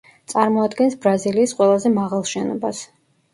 წარმოადგენს ბრაზილიის ყველაზე მაღალ შენობას.